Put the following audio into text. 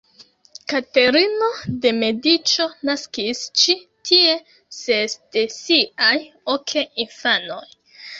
Katerino de Mediĉo naskis ĉi tie ses de siaj ok infanoj.